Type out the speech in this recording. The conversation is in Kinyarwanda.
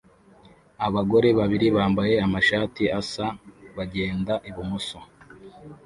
Abagore babiri bambaye amashati asa bagenda ibumoso